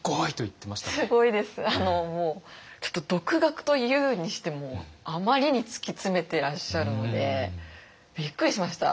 もうちょっと独学と言うにしてもあまりに突き詰めてらっしゃるのでびっくりしました。